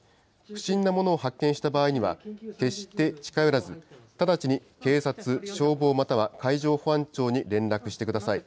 不審なものを発見した場合には、決して近寄らず、直ちに警察、消防または海上保安庁に連絡してください。